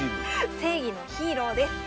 正義のヒーローです。